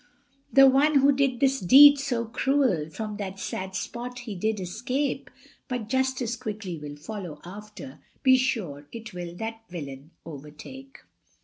The one who did this deed so cruel, From that sad spot he did escape, But justice quickly will follow after, Be sure it will that villain overtake.